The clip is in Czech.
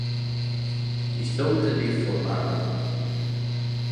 Jsou tedy formální.